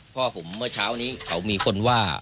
พ่อผมเมื่อเช้านี้เขามีคนว่า